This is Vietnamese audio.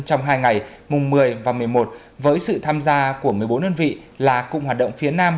trong hai ngày mùng một mươi và một mươi một với sự tham gia của một mươi bốn đơn vị là cụm hoạt động phía nam